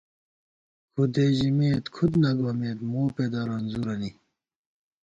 کھُدے ژِمېت کھُدہ نہ گومېت مو پېدہ رنځورَنی